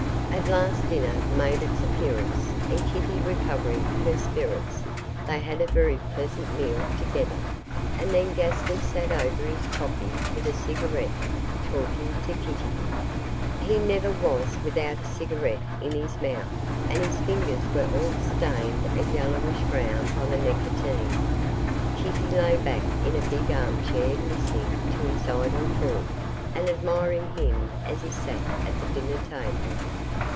At last dinner made its appearance, and Kitty recovering her spirits, they had a very pleasant meal together, and then Gaston sat over his coffee with a cigarette, talking to Kitty. He never was without a cigarette in his mouth, and his fingers were all stained a yellowish brown by the nicotine. Kitty lay back in a big arm chair listening to his idle talk and admiring him as he sat at the dinner table.